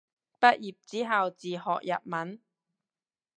畢業之後自學日文